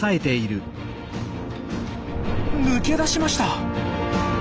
抜け出しました！